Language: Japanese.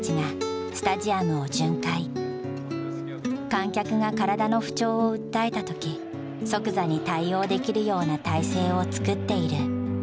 観客が体の不調を訴えた時即座に対応できるような体制を作っている。